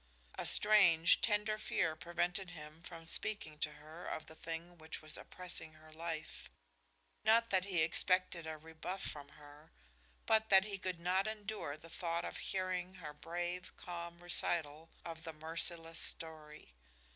A strange, tender fear prevented him from speaking to her of the thing which was oppressing her life. Not that he expected a rebuff from her, but that he could not endure the thought of hearing her brave, calm recital of the merciless story.